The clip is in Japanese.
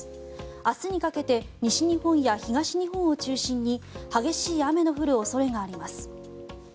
明日にかけて西日本や東日本を中心に激しい雨の降る恐れがあります。